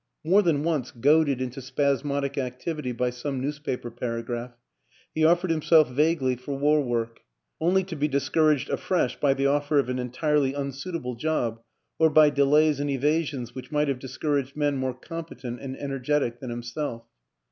More than once, goaded into spasmodic activity by some newspaper paragraph, he offered himself vaguely for war work only to be discouraged afresh by the offer of an entirely unsuitable job or by delays and evasions which might have discouraged men more competent and energetic than himself.